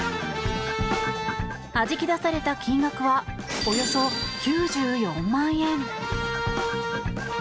はじき出された金額はおよそ９４万円。